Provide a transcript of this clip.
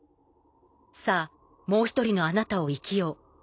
さぁもう１人のあなたを生きよう。